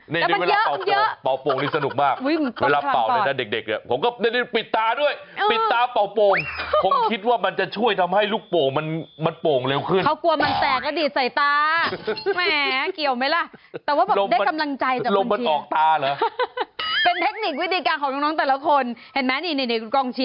แล้วหลังสู้เต็มที่ตายเป็นตายเอาจริงน่ะเออ